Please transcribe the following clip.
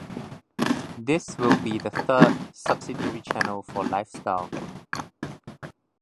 This will be the third subsidiary channel for LifeStyle.